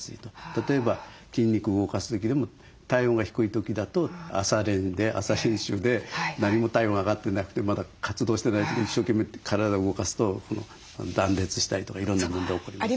例えば筋肉動かす時でも体温が低い時だと朝練で何も体温上がってなくてまだ活動してない時に一生懸命体動かすと断裂したりとかいろんな問題起こりますね。